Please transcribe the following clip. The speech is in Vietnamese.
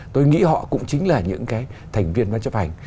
tôi nghĩ họ cũng chính là những cái thành viên văn chấp hành